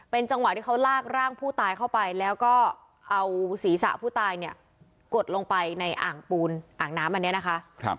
จังหวะที่เขาลากร่างผู้ตายเข้าไปแล้วก็เอาศีรษะผู้ตายเนี่ยกดลงไปในอ่างปูนอ่างน้ำอันนี้นะคะ